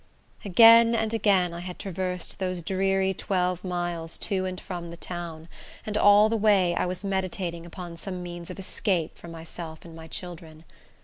Again and again I had traversed those dreary twelve miles, to and from the town; and all the way, I was meditating upon some means of escape for myself and my children.